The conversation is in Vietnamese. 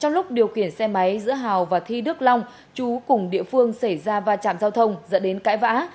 trong lúc điều khiển xe máy giữa hào và thi đức long chú cùng địa phương xảy ra va chạm giao thông dẫn đến cãi vã